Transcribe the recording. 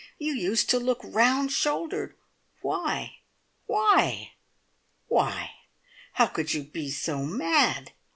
You used to look round shouldered. Why? Why? Why? How could you be so mad?"